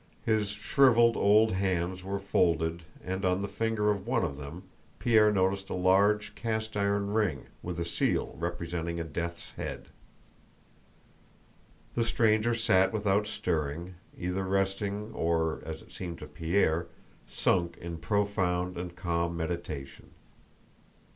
His shriveled old hands were folded and on the finger of one of them Pierre noticed a large cast iron ring with a seal representing a death's head. The stranger sat without stirring, either resting or, as it seemed to Pierre, sunk in profound and calm meditation.